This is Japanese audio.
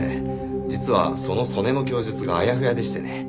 実はその曽根の供述があやふやでしてね。